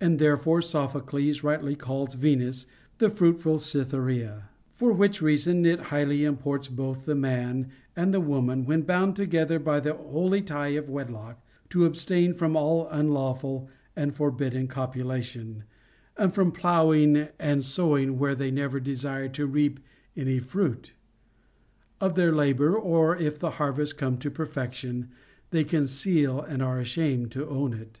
And therefore Sophocles rightly calls Venus the fruitful Cytberea. For which reason it highly imports both the man and the woman, when bound together by the hoi ν tie of wedlock, to abstain from all unlawful and forbidden copulation, and from ploughing and sowing where they never desire to reap any fruit of their labor, or, if the harvest come to perfection, they conceal and are ashamed to own it.